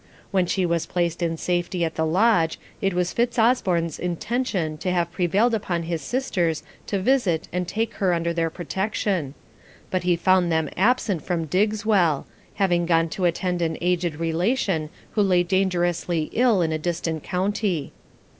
When she was placed in safety at the lodge, it was Fitzosborne's intention to have prevailed upon his sisters to visit and take her under their protection; but he found them absent from Diggswell, having gone to attend an aged relation who lay dangerously ill in a distant county.